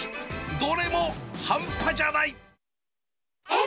どれも半端じゃない。